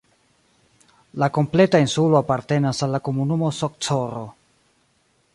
La kompleta insulo apartenas al la komunumo Socorro.